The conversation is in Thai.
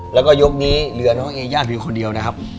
แล้วก็ยกนี้เหลือน้องเอย่าเพียงคนเดียวนะครับ